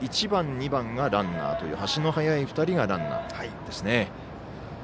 １番、２番がランナーという足の速い２人がランナーです。